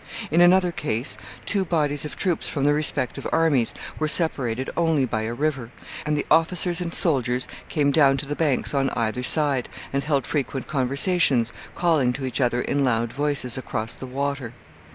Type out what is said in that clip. In another case, two bodies of troops from the respective armies were separated only by a river, and the officers and soldiers came down to the banks on either side, and held frequent conversations, calling to each other in loud voices across the water.